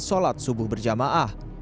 sholat subuh berjamaah